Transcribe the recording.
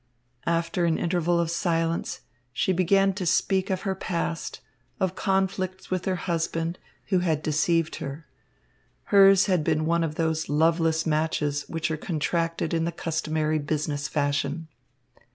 After an interval of silence, she began to speak of her past, of conflicts with her husband, who had deceived her. Hers had been one of those loveless matches which are contracted in the customary business fashion.